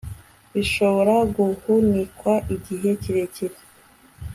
bishobora guhunikwa igihe kirekire